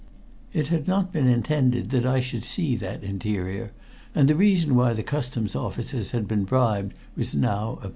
It had not been intended that I should see that interior, and the reason why the Customs officers had been bribed was now apparent.